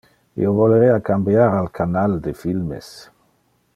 Io volerea cambiar al canal de filmes...